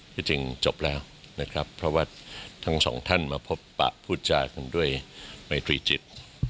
ที่จริงจบแล้วนะครับเพราะว่าทั้งสองท่านมาพบปะพูดจากันด้วยไมตรีจิต